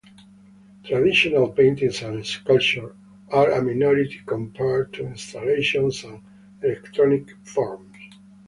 Traditional paintings and sculptures are a minority compared to installations and electronic forms.